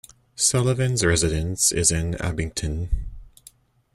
Sullivan's residence is in Abington.